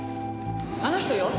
あの人よ。